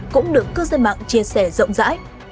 cũng được cư dân mạng chia sẻ rộng rãi